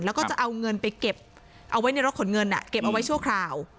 แล้วก็จะเอาเงินไปเก็บเอาไว้ในรถขนเงินเก็บเอาไว้ชั่วคราว